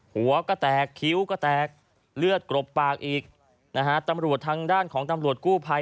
หัวก็แตกคิ้วก็แตกเลือดกรบปากอีกนะฮะตำรวจทางด้านของตำรวจกู้ภัย